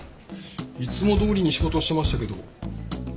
いつもどおりに仕事してましたけど。